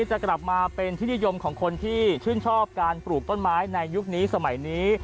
จะกลับมาเป็นที่นิยมของคนที่ชื่นชอบการปลูกต้นไม้ในยุคนี้สมัยนี้